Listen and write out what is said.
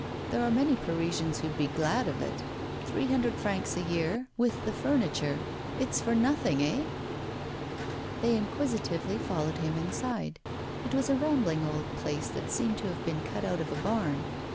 There are many Parisians who'd be glad of it. Three hundred francs a year, with the furniture; it's for nothing, eh?' They inquisitively followed him inside. It was a rambling old place that seemed to have been cut out of a barn.